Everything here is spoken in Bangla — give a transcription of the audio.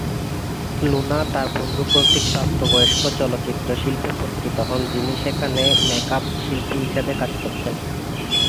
লুনা তার এক বন্ধু কর্তৃক প্রাপ্তবয়স্ক চলচ্চিত্র শিল্পে পরিচিত হন যিনি সেখানে মেক-আপ শিল্পী হিসেবে কাজ করতেন।